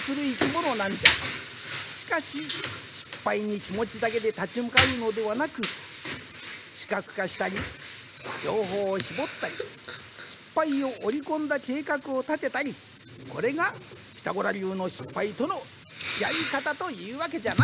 しかし失敗にきもちだけでたちむかうのではなく視覚化したり情報をしぼったり失敗をおりこんだ計画をたてたりこれが「ピタゴラ」りゅうの失敗とのつきあいかたというわけじゃな。